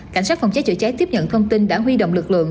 cảnh sát phòng cháy chữa cháy tiếp nhận thông tin đã huy động lực lượng